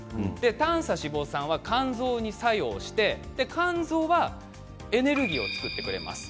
短鎖脂肪酸は肝臓に作用して肝臓はエネルギーを作ってくれます。